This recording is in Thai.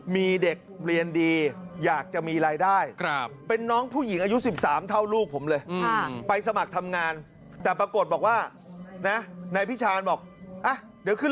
มีเด็กเรียนดีอยากจะมีรายได้เป็นน้องผู้หญิงอายุ๑๓เท่าลูกผมเลยไปสมัครทำงานแต่ปรากฏบอกว่านะนายพิชานบอกเดี๋ยวขึ้น